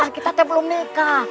kita belum nikah